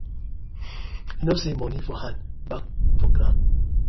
Yu kow say moni for hand back na grawn.